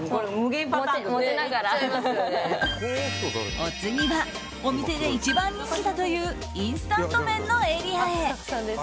お次はお店で一番人気だというインスタント麺のエリアへ。